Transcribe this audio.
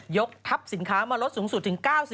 กทัพสินค้ามาลดสูงสุดถึง๙๐